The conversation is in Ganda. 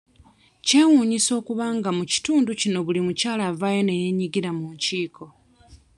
Kyewuunyisa okuba nga mu kitundu kino buli mukyala avaayo ne yeenyigira mu nkiiko.